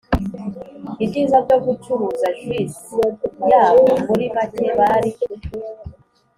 ibyiza byo gucuruza juice yabo muri make bari